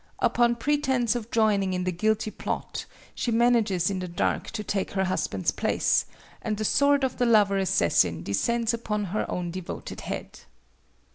Upon pretence of joining in the guilty plot, she manages in the dark to take her husband's place, and the sword of the lover assassin descends upon her own devoted head.